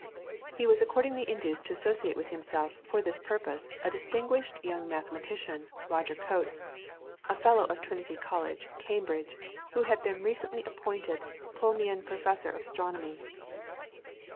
He was accordingly induced to associate with himself for this purpose a distinguished young mathematician, Roger Coates, a Fellow of Trinity College, Cambridge, who had recently been appointed Plumian Professor of Astronomy.